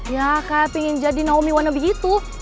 ya kayak pingin jadi naomi wannabe gitu